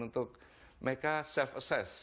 untuk mereka self assess